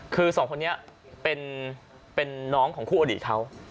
คือสองคนนี้เป็นน้องของคู่อดีตเขา